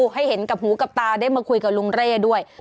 ให้เห็นกับหูกับตาได้มาคุยกับลุงเร่ด้วย